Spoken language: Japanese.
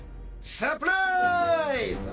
サプライズ！